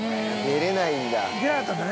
出れないんだ。